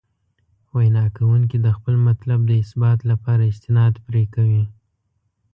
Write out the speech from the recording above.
وینا کوونکي د خپل مطلب د اثبات لپاره استناد پرې کوي.